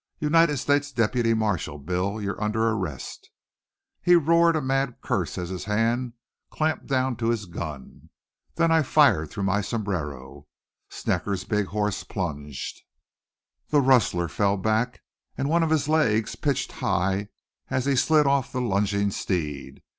"United States deputy marshal. Bill, you're under arrest!" He roared a mad curse as his hand clapped down to his gun. Then I fired through my sombrero. Snecker's big horse plunged. The rustler fell back, and one of his legs pitched high as he slid off the lunging steed.